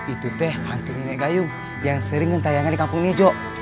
itu teh hantu nenek gayung yang sering ngetayangan di kampung ini jo